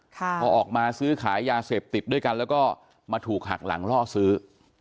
พอออกมาซื้อขายยาเสพติดด้วยกันแล้วก็มาถูกหักหลังล่อซื้อ